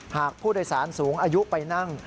หากผู้โดยสารสูงอายุไปนั่ง